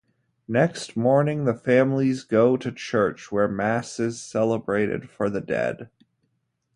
Next morning, the families go to church, where mass is celebrated for the dead.